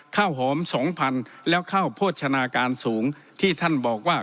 ข้าวหอมสองพันแล้วข้าวโภชนาการสูงที่ท่านบอกว่า